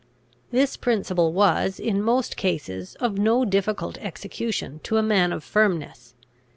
This principle was, in most cases, of no difficult execution to a man of firmness.